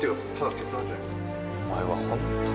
お前はホントに。